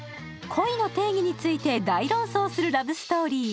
恋の定義について大論争するラブストーリー